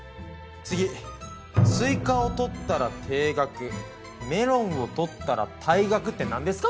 次「スイカを盗ったら停学」「メロンを盗ったら退学」ってなんですか？